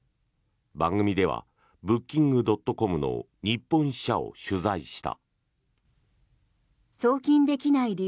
番組ではブッキングドットコムの日本支社を取材した。